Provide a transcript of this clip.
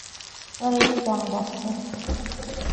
শরীর জমে যাচ্ছে।